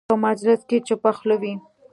په مجلس کې چوپه خوله وي.